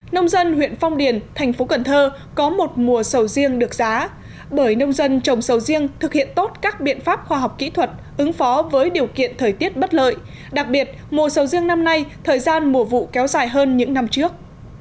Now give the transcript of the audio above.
nông dân huyện phong điền thành phố cần thơ có một mùa sầu riêng được giá bởi nông dân trồng sầu riêng thực hiện tốt các biện pháp khoa học kỹ thuật ứng phó với điều kiện thời tiết bất lợi đặc biệt mùa sầu riêng năm nay thời gian mùa vụ kéo dài hơn những năm trước